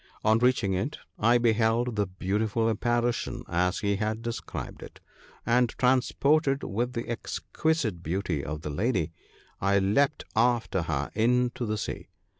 On reaching it I beheld the beautiful apparition as he had described it, and, trans ported with the exquisite beauty of the lady, I leapt after her into the sea.